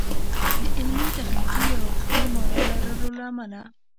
د علمي، تخنیکي یا حقوقي مانا لرلو له امله